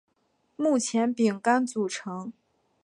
目前饼干组成。